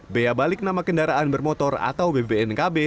bea balik nama kendaraan bermotor atau bbnkb